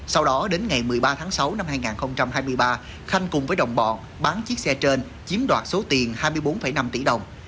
sau đó đến ngày một mươi ba tháng sáu năm hai nghìn hai mươi ba khanh cùng với đồng bọn bán chiếc xe trên chiếm đoạt số tiền hai mươi bốn năm tỷ đồng